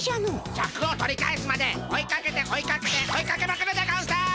シャクを取り返すまで追いかけて追いかけて追いかけまくるでゴンス！